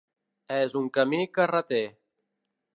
És un camí carreter.